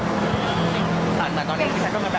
แต่ตอนนี้คุณแม่นต้องการแบบ